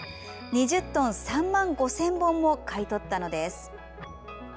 ２０トン、３万５０００本も買い取ったのです。